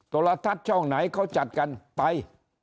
โทรทัศน์ช่องไหนเขาจัดกันไป